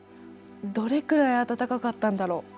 どれくらい暖かかったんだろう。